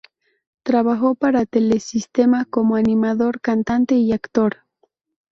Trabajó para Telesistema como animador, cantante y actor.